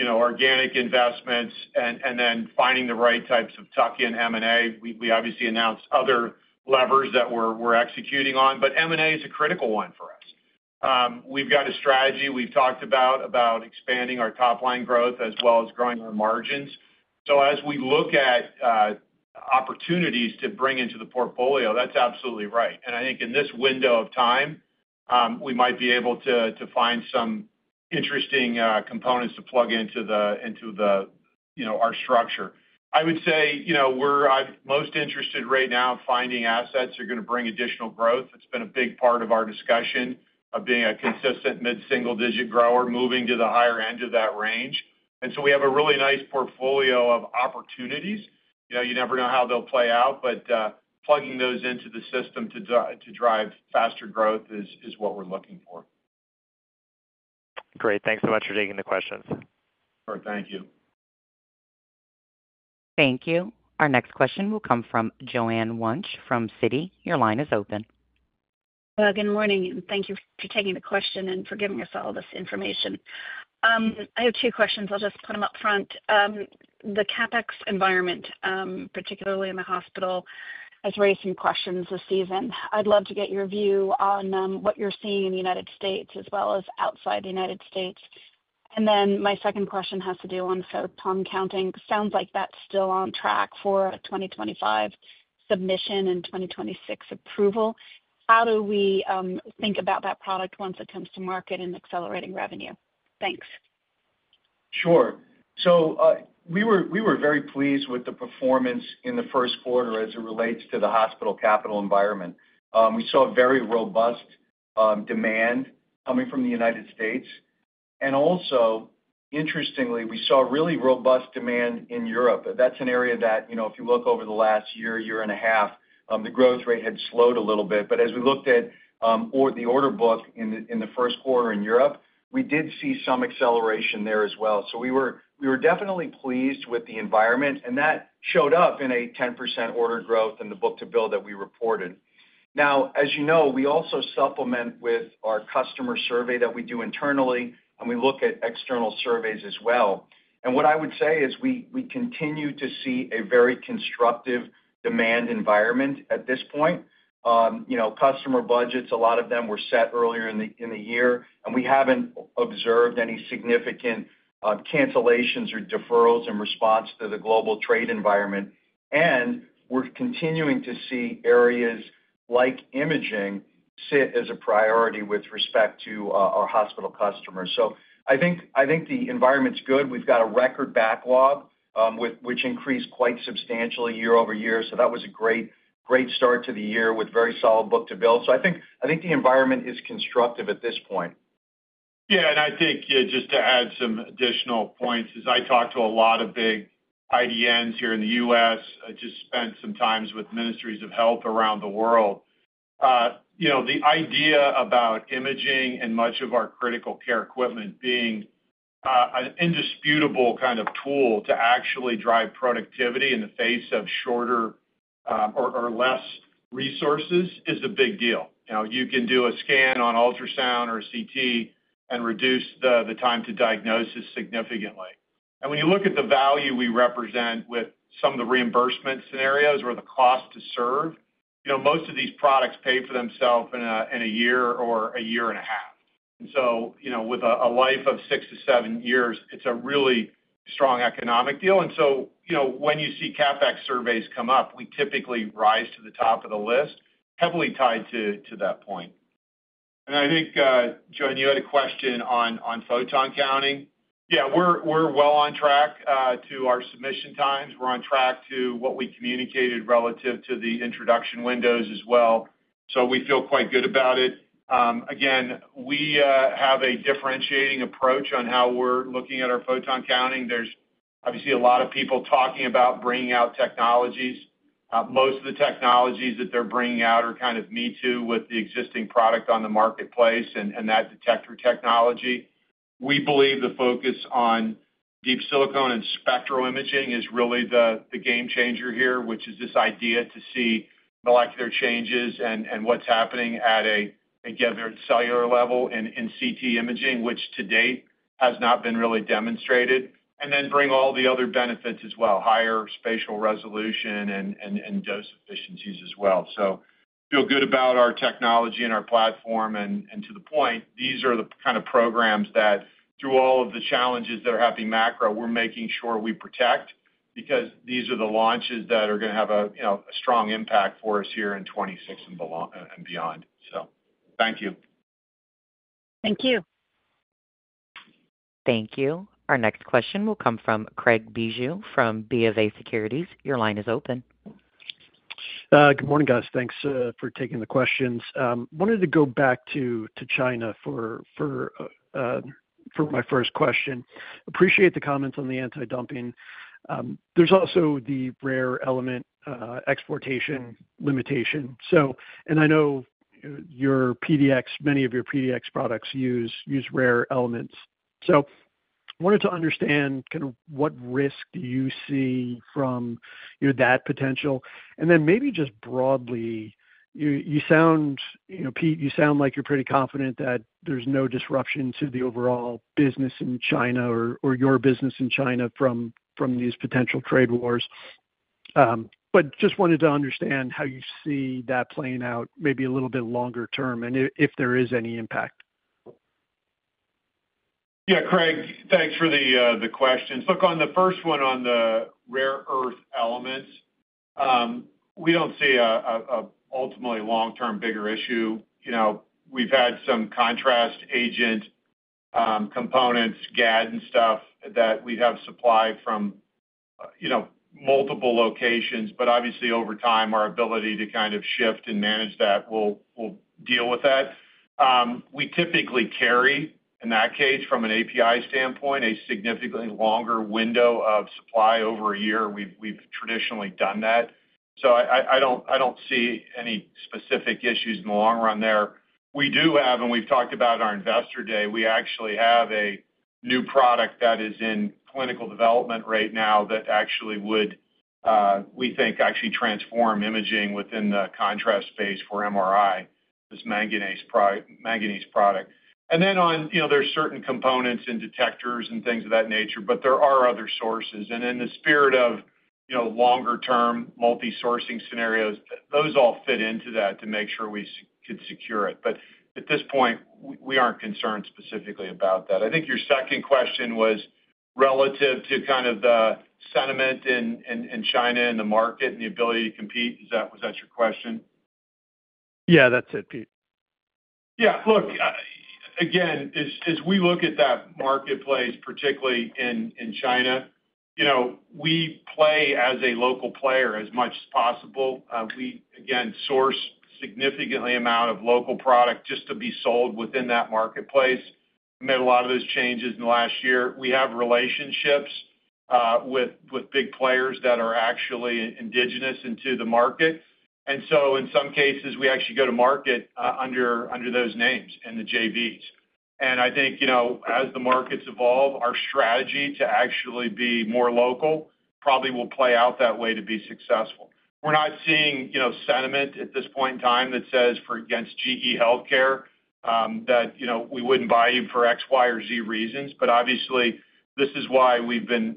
organic investments and then finding the right types of tuck-in M&A. We obviously announced other levers that we're executing on, but M&A is a critical one for us. We've got a strategy we've talked about expanding our top-line growth as well as growing our margins. As we look at opportunities to bring into the portfolio, that's absolutely right. I think in this window of time, we might be able to find some interesting components to plug into our structure. I would say we're most interested right now in finding assets that are going to bring additional growth. It's been a big part of our discussion of being a consistent mid-single-digit grower moving to the higher end of that range. We have a really nice portfolio of opportunities. You never know how they'll play out, but plugging those into the system to drive faster growth is what we're looking for. Great. Thanks so much for taking the questions. Thank you. Thank you. Our next question will come from Joanne Wuensch from Citi. Your line is open. Good morning. Thank you for taking the question and for giving us all this information. I have two questions. I'll just put them up front. The CapEx environment, particularly in the hospital, has raised some questions this season. I'd love to get your view on what you're seeing in the U.S. as well as outside the U.S. My second question has to do with photon counting. Sounds like that's still on track for a 2025 submission and 2026 approval. How do we think about that product once it comes to market and accelerating revenue? Thanks. Sure. We were very pleased with the performance in the first quarter as it relates to the hospital capital environment. We saw very robust demand coming from the United States. Also, interestingly, we saw really robust demand in Europe. That's an area that, if you look over the last year, year and a half, the growth rate had slowed a little bit. As we looked at the order book in the first quarter in Europe, we did see some acceleration there as well. We were definitely pleased with the environment, and that showed up in a 10% order growth in the book-to-bill that we reported. As you know, we also supplement with our customer survey that we do internally, and we look at external surveys as well. What I would say is we continue to see a very constructive demand environment at this point. Customer budgets, a lot of them were set earlier in the year, and we have not observed any significant cancellations or deferrals in response to the global trade environment. We are continuing to see areas like imaging sit as a priority with respect to our hospital customers. I think the environment is good. We have a record backlog, which increased quite substantially year-over-year. That was a great start to the year with very solid book-to-bill. I think the environment is constructive at this point. Yeah. I think just to add some additional points, as I talked to a lot of big IDNs here in the U.S., I just spent some time with ministries of health around the world. The idea about imaging and much of our critical care equipment being an indisputable kind of tool to actually drive productivity in the face of shorter or less resources is a big deal. You can do a scan on ultrasound or CT and reduce the time to diagnosis significantly. When you look at the value we represent with some of the reimbursement scenarios or the cost to serve, most of these products pay for themselves in a year or a year and a half. With a life of six to seven years, it's a really strong economic deal. When you see CapEx surveys come up, we typically rise to the top of the list, heavily tied to that point. I think, Joanne, you had a question on photon-counting. Yeah, we're well on track to our submission times. We're on track to what we communicated relative to the introduction windows as well. We feel quite good about it. Again, we have a differentiating approach on how we're looking at our photon-counting. There's obviously a lot of people talking about bringing out technologies. Most of the technologies that they're bringing out are kind of me-too with the existing product on the marketplace and that detector technology. We believe the focus on Deep Silicon and spectral imaging is really the game changer here, which is this idea to see molecular changes and what's happening at a cellular level in CT imaging, which to date has not been really demonstrated, and then bring all the other benefits as well, higher spatial resolution and dose efficiencies as well. We feel good about our technology and our platform. To the point, these are the kind of programs that, through all of the challenges that are happening macro, we're making sure we protect because these are the launches that are going to have a strong impact for us here in 2026 and beyond. Thank you. Thank you. Thank you. Our next question will come from Craig Bijou from BofA Securities. Your line is open. Good morning, guys. Thanks for taking the questions. Wanted to go back to China for my first question. Appreciate the comments on the anti-dumping. There's also the rare element exportation limitation. I know many of your PDx products use rare elements. Wanted to understand kind of what risk do you see from that potential? Maybe just broadly, you sound like you're pretty confident that there's no disruption to the overall business in China or your business in China from these potential trade wars. Just wanted to understand how you see that playing out maybe a little bit longer term and if there is any impact. Yeah, Craig, thanks for the question. Look, on the first one on the rare earth elements, we don't see an ultimately long-term bigger issue. We've had some contrast agent components, Gad and stuff that we have supplied from multiple locations. Obviously, over time, our ability to kind of shift and manage that will deal with that. We typically carry, in that case, from an API standpoint, a significantly longer window of supply over a year. We've traditionally done that. I don't see any specific issues in the long run there. We do have, and we've talked about our Investor Day. We actually have a new product that is in clinical development right now that actually would, we think, actually transform imaging within the contrast space for MRI, this manganese product. Then there's certain components and detectors and things of that nature, but there are other sources. In the spirit of longer-term multi-sourcing scenarios, those all fit into that to make sure we could secure it. At this point, we aren't concerned specifically about that. I think your second question was relative to kind of the sentiment in China and the market and the ability to compete. Was that your question? Yeah, that's it, Pete. Yeah. Look, again, as we look at that marketplace, particularly in China, we play as a local player as much as possible. We, again, source a significant amount of local product just to be sold within that marketplace. We made a lot of those changes in the last year. We have relationships with big players that are actually indigenous into the market. In some cases, we actually go to market under those names and the JVs. I think as the markets evolve, our strategy to actually be more local probably will play out that way to be successful. We're not seeing sentiment at this point in time that says against GE HealthCare that we wouldn't buy you for X, Y, or Z reasons. Obviously, this is why we've been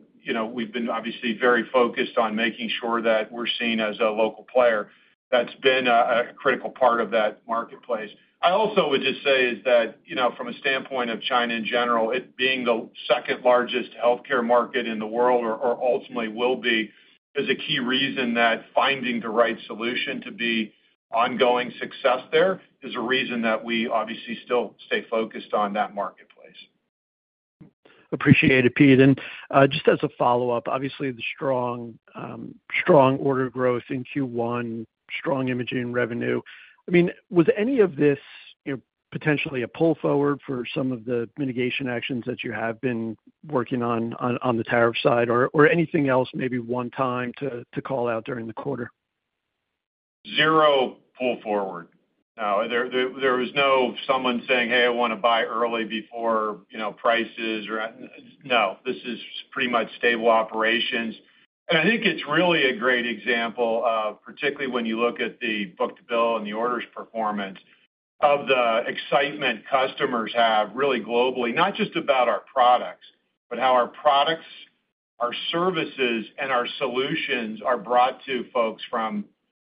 obviously very focused on making sure that we're seen as a local player. That's been a critical part of that marketplace. I also would just say is that from a standpoint of China in general, it being the second largest healthcare market in the world or ultimately will be is a key reason that finding the right solution to be ongoing success there is a reason that we obviously still stay focused on that marketplace. Appreciate it, Pete. Just as a follow-up, obviously, the strong order growth in Q1, strong imaging revenue. I mean, was any of this potentially a pull forward for some of the mitigation actions that you have been working on on the tariff side or anything else maybe one time to call out during the quarter? Zero pull forward. There was no someone saying, "Hey, I want to buy early before prices." No. This is pretty much stable operations. I think it's really a great example, particularly when you look at the book-to-bill and the orders performance of the excitement customers have really globally, not just about our products, but how our products, our services, and our solutions are brought to folks from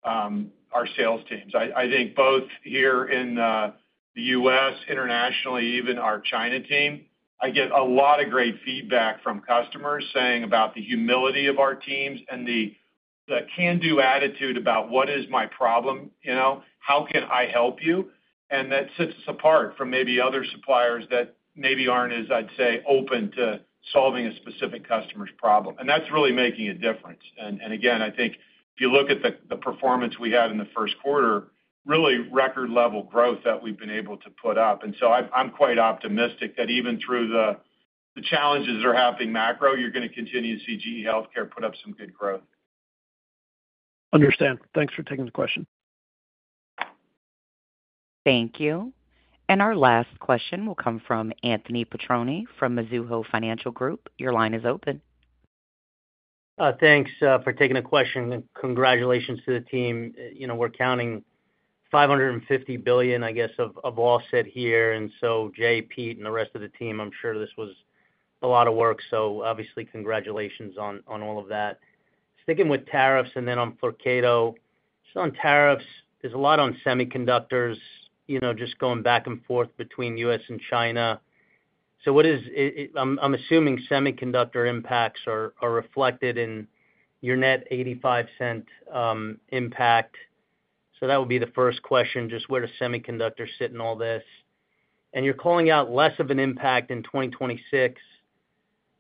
our sales teams. I think both here in the U.S., internationally, even our China team, I get a lot of great feedback from customers saying about the humility of our teams and the can-do attitude about what is my problem, how can I help you. That sets us apart from maybe other suppliers that maybe aren't, as I'd say, open to solving a specific customer's problem. That's really making a difference. Again, I think if you look at the performance we had in the first quarter, really record-level growth that we've been able to put up. I'm quite optimistic that even through the challenges that are happening macro, you're going to continue to see GE HealthCare put up some good growth. Understand. Thanks for taking the question. Thank you. Our last question will come from Anthony Petrone from Mizuho Financial Group. Your line is open. Thanks for taking the question. Congratulations to the team. We're counting $550 billion, I guess, of offset here. Jay, Pete, and the rest of the team, I'm sure this was a lot of work. Obviously, congratulations on all of that. Sticking with tariffs and then on Flyrcado, just on tariffs, there's a lot on semiconductors just going back and forth between the U.S. and China. I'm assuming semiconductor impacts are reflected in your net $0.85 impact. That would be the first question, just where does semiconductor sit in all this? You're calling out less of an impact in 2026.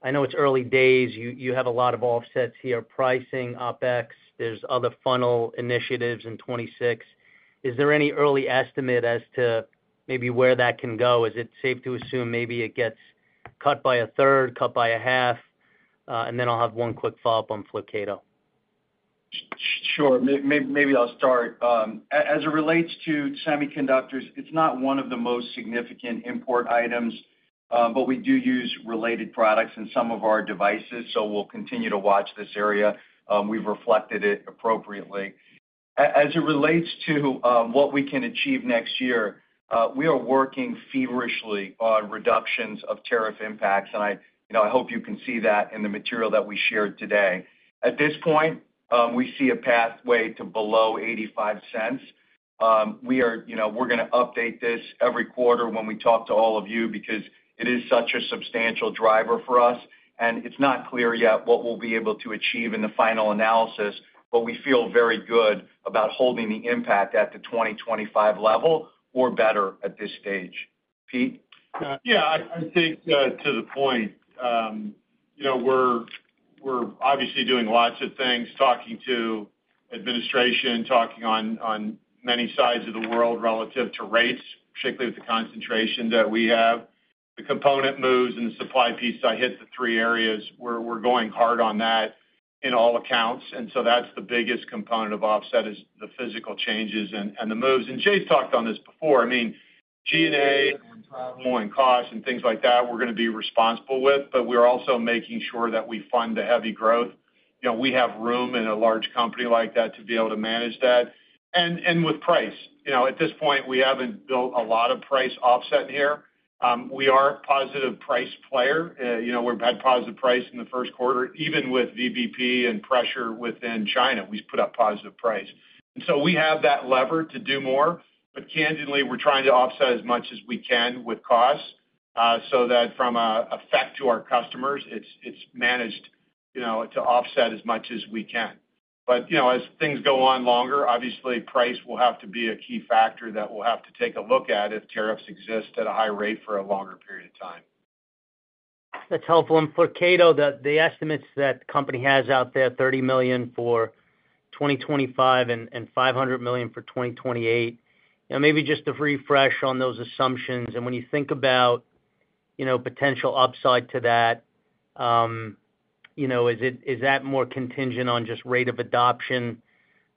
I know it's early days. You have a lot of offsets here, pricing, OpEx. There's other funnel initiatives in 2026. Is there any early estimate as to maybe where that can go? Is it safe to assume maybe it gets cut by a 1/3, cut by a 1/2? I have one quick follow-up on Flyrcado. Sure. Maybe I'll start. As it relates to semiconductors, it's not one of the most significant import items, but we do use related products in some of our devices. We will continue to watch this area. We've reflected it appropriately. As it relates to what we can achieve next year, we are working feverishly on reductions of tariff impacts. I hope you can see that in the material that we shared today. At this point, we see a pathway to below $0.85. We're going to update this every quarter when we talk to all of you because it is such a substantial driver for us. It's not clear yet what we'll be able to achieve in the final analysis, but we feel very good about holding the impact at the 2025 level or better at this stage. Pete? Yeah. I think to the point, we're obviously doing lots of things, talking to administration, talking on many sides of the world relative to rates, particularly with the concentration that we have. The component moves and the supply piece, I hit the three areas. We're going hard on that in all accounts. That's the biggest component of offset, is the physical changes and the moves. Jay's talked on this before. I mean, G&A and cost and things like that, we're going to be responsible with, but we're also making sure that we fund the heavy growth. We have room in a large company like that to be able to manage that. With price, at this point, we haven't built a lot of price offset here. We are a positive price player. We've had positive price in the first quarter, even with VBP and pressure within China. We've put up positive price. We have that lever to do more. Candidly, we're trying to offset as much as we can with costs so that from an effect to our customers, it's managed to offset as much as we can. As things go on longer, obviously, price will have to be a key factor that we'll have to take a look at if tariffs exist at a high rate for a longer period of time. That's helpful. And Flyrcado, the estimates that the company has out there, $30 million for 2025 and $500 million for 2028. Maybe just a refresh on those assumptions. When you think about potential upside to that, is that more contingent on just rate of adoption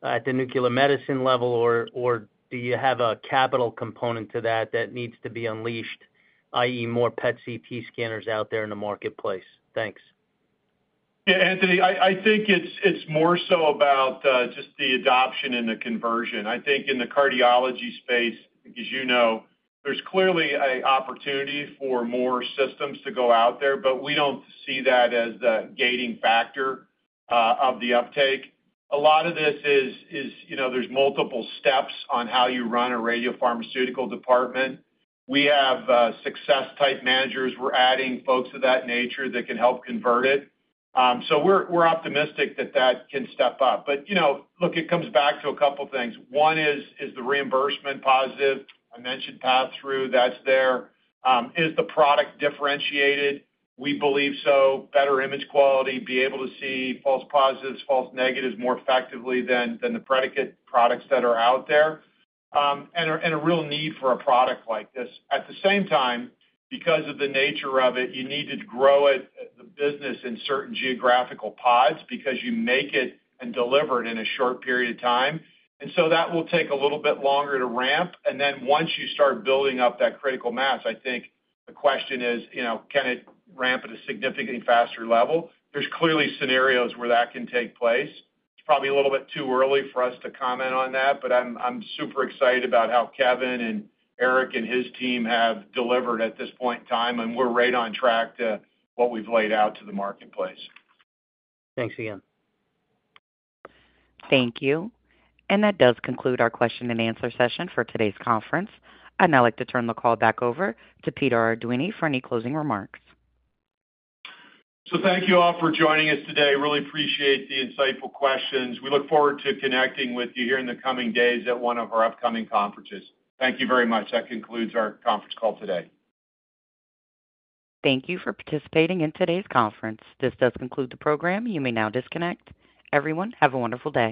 at the nuclear medicine level, or do you have a capital component to that that needs to be unleashed, i.e., more PET/CT scanners out there in the marketplace? Thanks. Yeah, Anthony, I think it's more so about just the adoption and the conversion. I think in the cardiology space, as you know, there's clearly an opportunity for more systems to go out there, but we don't see that as the gating factor of the uptake. A lot of this is there's multiple steps on how you run a radiopharmaceutical department. We have success-type managers. We're adding folks of that nature that can help convert it. We are optimistic that that can step up. Look, it comes back to a couple of things. One is the reimbursement positive. I mentioned pass-through. That's there. Is the product differentiated? We believe so. Better image quality, be able to see false positives, false negatives more effectively than the predicate products that are out there. And a real need for a product like this. At the same time, because of the nature of it, you need to grow the business in certain geographical pods because you make it and deliver it in a short period of time. That will take a little bit longer to ramp. Once you start building up that critical mass, I think the question is, can it ramp at a significantly faster level? There are clearly scenarios where that can take place. It is probably a little bit too early for us to comment on that, but I am super excited about how Kevin and Erez and his team have delivered at this point in time. We are right on track to what we have laid out to the marketplace. Thanks again. Thank you. That does conclude our Q&A session for today's conference. I would like to turn the call back over to Peter Arduini for any closing remarks. Thank you all for joining us today. Really appreciate the insightful questions. We look forward to connecting with you here in the coming days at one of our upcoming conferences. Thank you very much. That concludes our conference call today. Thank you for participating in today's conference. This does conclude the program. You may now disconnect. Everyone, have a wonderful day.